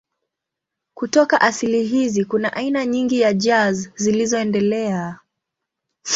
Kutoka asili hizi kuna aina nyingi za jazz zilizoendelea.